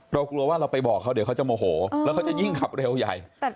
กลัวว่าเราไปบอกเขาเดี๋ยวเขาจะโมโหแล้วเขาจะยิ่งขับเร็วใหญ่